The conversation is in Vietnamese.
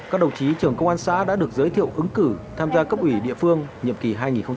các đồng chí trưởng công an xã đã được giới thiệu ứng cử tham gia cấp ủy địa phương nhiệm kỳ hai nghìn hai mươi hai nghìn hai mươi năm